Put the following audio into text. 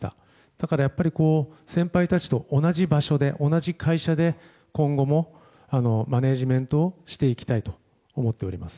だから、やっぱり先輩たちと同じ場所で同じ会社で、今後もマネジメントをしていきたいと思っております。